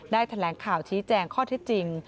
แถลงข่าวชี้แจงข้อที่จริง